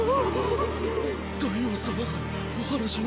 大王様がお話しに。